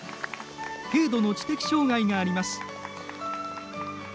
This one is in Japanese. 軽度の知的障がいがあります。